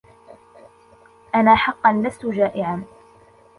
أنا حقاً لستُ جائعاً.